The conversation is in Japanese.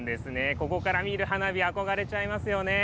ここから見る花火は憧れちゃいますよね。